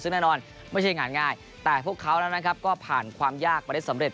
ซึ่งแน่นอนไม่ใช่งานง่ายแต่พวกเขานั้นนะครับก็ผ่านความยากมาได้สำเร็